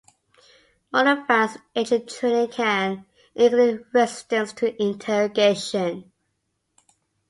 More advanced agent training can include resistance to interrogation.